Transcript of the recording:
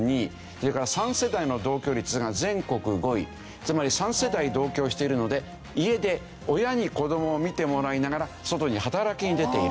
それから三世代の同居率が全国５位つまり三世代同居をしているので家で親に子どもを見てもらいながら外に働きに出ている。